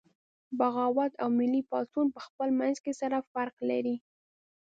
بغاوت او ملي پاڅون پخپل منځ کې سره فرق لري